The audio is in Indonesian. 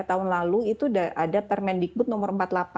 tahun lalu itu ada permendikbud nomor empat puluh delapan